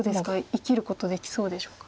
生きることできそうでしょうか。